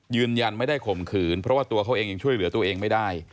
ยืนยันไม่ได้ข่มขืนเพราะว่าตัวเขาเองยังช่วยเหลือตัวเองไม่ได้